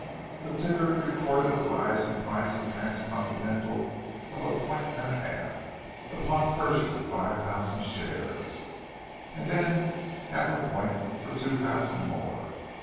The ticker recorded a rise in the price of Transcontinental of a point and a half, upon a purchase of five thousand shares; and then half a point for two thousand more.